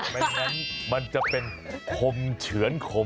ไม่งั้นมันจะเป็นคมเฉือนขม